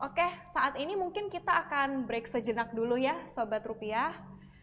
oke saat ini mungkin kita akan break sejenak dulu ya sobat rupiah